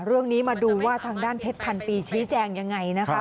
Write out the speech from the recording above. เรื่องนี้มาดูว่าทางด้านเพชรพันปีชี้แจงยังไงนะคะ